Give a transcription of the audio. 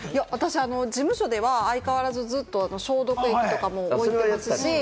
事務所では相変わらず消毒液とかも置いてますし。